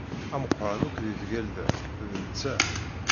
Ameqqran akk di tgelda, d netta.